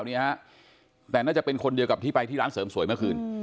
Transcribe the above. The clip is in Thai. นี่ฮะแต่น่าจะเป็นคนเดียวกับที่ไปที่ร้านเสริมสวยเมื่อคืน